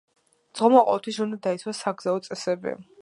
მძღოლმა ყოველთვის უნდა დაიცვას საგზაო წესები.